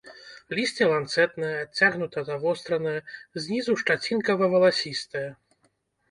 Лісце ланцэтнае, адцягнута завостранае, знізу шчацінкава-валасістае.